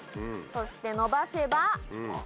そして伸ばせば。